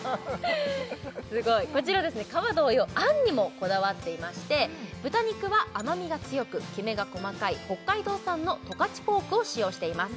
すごいこちら皮同様あんにもこだわっていまして豚肉は甘みが強くきめが細かい北海道産の十勝ポークを使用しています